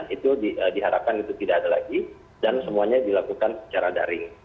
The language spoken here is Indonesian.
itu diharapkan itu tidak ada lagi dan semuanya dilakukan secara daring